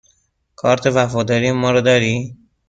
کارت وفاداری ما را دارید؟